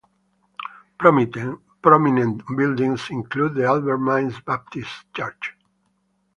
Prominent buildings include the Albert Mines Baptist Church.